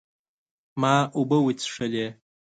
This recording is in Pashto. ما اوبه وڅښلې